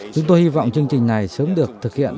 chúng tôi hy vọng chương trình này sớm được thực hiện